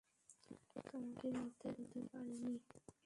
তোমাকে মরতে দিতে পারিনি।